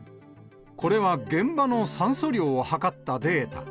これは現場の酸素量を測ったデータ。